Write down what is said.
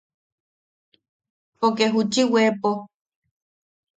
Poke juchi weepo.